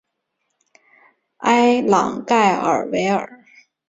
埃朗盖尔维尔。